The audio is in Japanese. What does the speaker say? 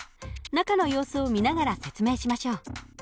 中の様子を見ながら説明しましょう。